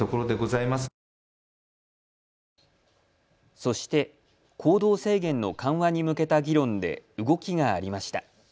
そして行動制限の緩和に向けた議論で動きがありました。